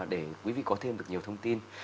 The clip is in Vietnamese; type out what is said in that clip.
để quý vị có thêm được nhiều thông tin